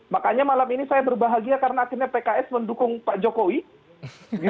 makanya malam ini saya berbahagia karena akhirnya pks mendukung pak jokowi